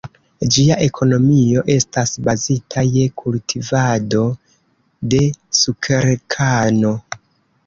Ĝia ekonomio estas bazita je kultivado de sukerkano.